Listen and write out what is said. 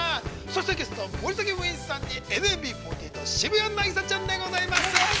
そしてゲスト、森崎ウィンさんにＮＭＢ４８渋谷凪咲ちゃんでございます！